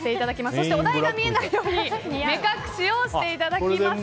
そして、お題が見えないように目隠しをしていただきます。